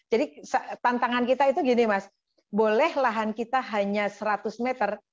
jadi tantangan kita itu gini mas boleh lahan kita hanya seratus meter